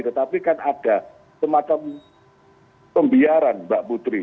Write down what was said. tetapi kan ada semacam pembiaran mbak putri